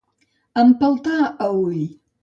Empeltar a ull.